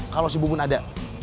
kalau si bubun ada